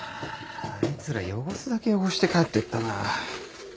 あいつら汚すだけ汚して帰ってったな。